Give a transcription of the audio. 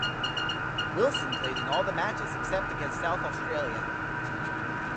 Willson played in all of the matches except against South Australia.